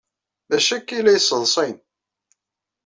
D acu akka ay la yesseḍsayen?